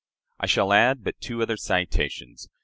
I shall add but two other citations.